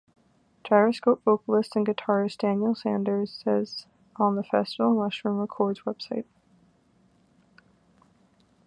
Gyroscope vocalist and guitarist Daniel Sanders says on the Festival Mushroom Records website.